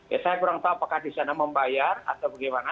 ya saya kurang tahu apakah di sana membayar atau bagaimana